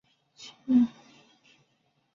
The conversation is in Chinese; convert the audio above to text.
他何德何能受到诺贝尔委员会的青睐。